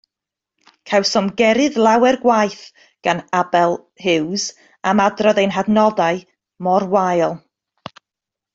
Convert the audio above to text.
Cawsom gerydd lawer gwaith gan Abel Hughes am adrodd ein hadnodau mor wael.